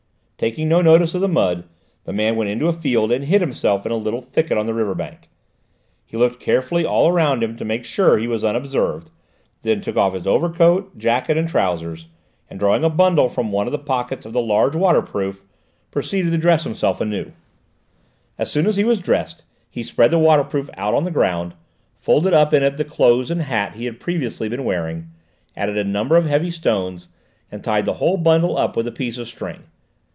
Taking no notice of the mud, the man went into a field and hid himself in a little thicket on the river bank. He looked carefully all around him to make sure that he was unobserved, then took off his overcoat, jacket and trousers, and drawing a bundle from one of the pockets of his large waterproof, proceeded to dress himself anew. As soon as he was dressed, he spread the waterproof out on the ground, folded up in it the clothes and hat he had previously been wearing, added a number of heavy stones, and tied the whole bundle up with a piece of string.